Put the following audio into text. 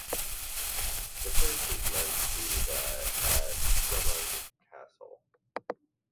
The first is meant to be that at Drummond Castle.